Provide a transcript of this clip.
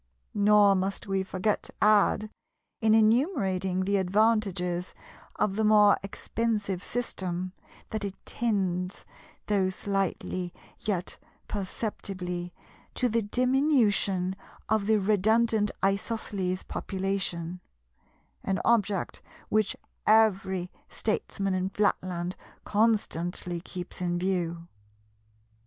Nor must we forget to add, in enumerating the advantages of the more expensive system, that it tends, though slightly yet perceptibly, to the diminution of the redundant Isosceles population—an object which every statesman in Flatland constantly keeps in view.